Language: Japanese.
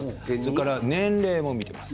年齢も見ています。